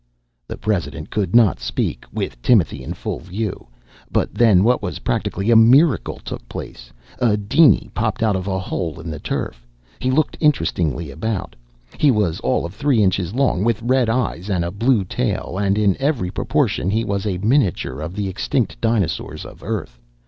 The president could not speak, with Timothy in full view. But then what was practically a miracle took place. A diny popped out of a hole in the turf. He looked interestedly about. He was all of three inches long, with red eyes and a blue tail, and in every proportion he was a miniature of the extinct dinosaurs of Earth.